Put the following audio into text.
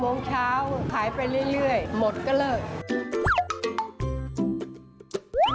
โมงเช้าขายไปเรื่อยหมดก็เลิก